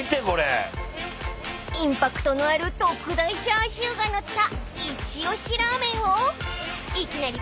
［インパクトのある特大チャーシューが載った一押しラーメンを］